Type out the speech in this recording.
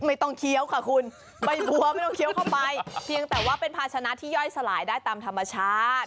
เคี้ยวค่ะคุณใบบัวไม่ต้องเคี้ยวเข้าไปเพียงแต่ว่าเป็นภาชนะที่ย่อยสลายได้ตามธรรมชาติ